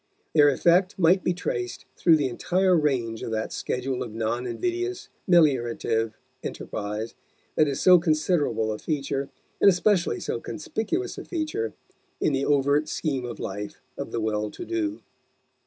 Their effect might be traced through the entire range of that schedule of non invidious, meliorative enterprise that is so considerable a feature, and especially so conspicuous a feature, in the overt scheme of life of the well to do.